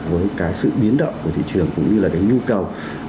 với cái sự biến động của thị trường cũng như là cái nhu cầu